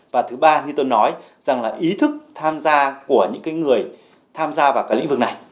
và thứ ba như tôi nói rằng là ý thức tham gia của những người tham gia vào cái lĩnh vực này